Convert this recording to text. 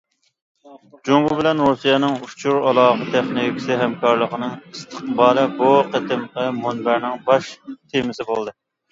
« جۇڭگو بىلەن رۇسىيەنىڭ ئۇچۇر ئالاقە تېخنىكىسى ھەمكارلىقىنىڭ ئىستىقبالى» بۇ قېتىمقى مۇنبەرنىڭ باش تېمىسى بولدى.